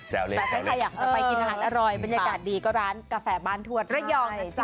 แต่ใครอยากจะไปกินอาหารอร่อยบรรยากาศดีก็ร้านกาแฟบ้านทวดระยองนะจ๊